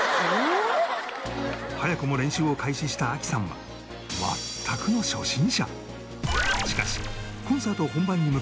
早くも練習を開始した亜希さんは全くの初心者